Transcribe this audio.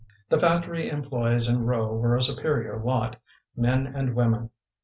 The factory employés in Rowe were a superior lot, men and women.